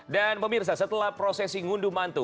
dan pemirsa setelah prosesi ngunduh mantu